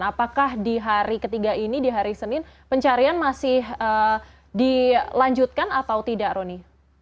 apakah di hari ketiga ini di hari senin pencarian masih dilanjutkan atau tidak roni